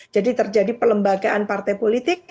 jadi terjadi pelembagaan partai politik